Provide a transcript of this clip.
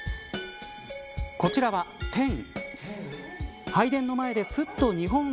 こちらはテン。